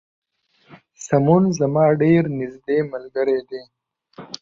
سمون زما ډیر نږدې ملګری دی